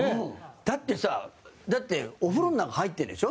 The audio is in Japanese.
だってさ、だってお風呂の中、入ってるんでしょ？